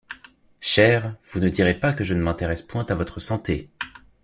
Cher, vous ne direz pas que je ne m’intéresse point à votre santé.